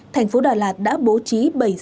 thành phố đà lạt đã bố trí ba lực lượng dịch tỉnh